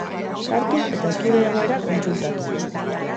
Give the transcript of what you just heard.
Sartu eta zure egoera kontsultatu!